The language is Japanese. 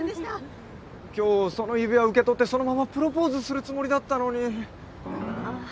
今日その指輪を受け取ってそのままプロポーズするつもりだったのに。